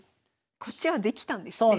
こっちはできたんですね。